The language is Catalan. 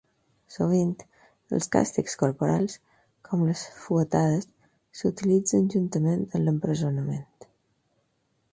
Sovint, els càstigs corporals, com les fuetades, s'utilitzen juntament amb l'empresonament.